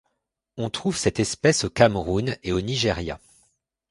On trouve cette espèce au Cameroun et au Nigeria.